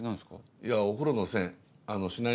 いやお風呂の栓しない